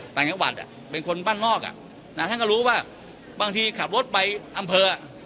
ต่างจังหวัดเป็นคนบ้านนอกอ่ะนะท่านก็รู้ว่าบางทีขับรถไปอำเภอ